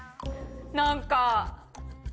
何か。